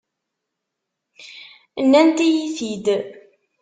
Nnant-iyi-t-id.